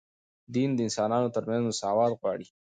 دین د انسانانو ترمنځ مساوات غواړي